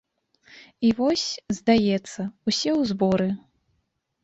І вось, здаецца, усе ў зборы!